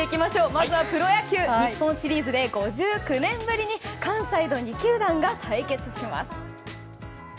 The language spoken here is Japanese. まずはプロ野球日本シリーズで５９年ぶりに関西の２球団が対決します。